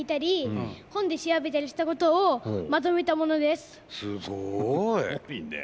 すごいね。